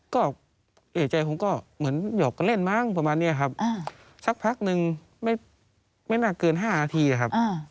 ก็เอกใจผมก็เหมือนหยอกกันเล่นมั้งประมาณนี้ครับสักพักนึงไม่น่าเกิน๕นาทีครับ